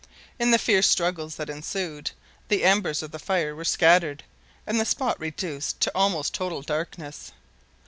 In the fierce struggles that ensued, the embers of the fire were scattered, and the spot reduced to almost total darkness.